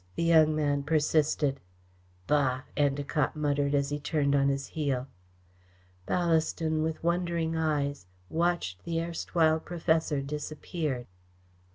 the young man persisted. "Bah!" Endacott muttered, as he turned on his heel. Ballaston, with wondering eyes, watched the erstwhile professor disappear.